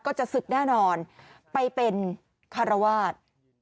จะศึกแน่นอนไปเป็นคารวาส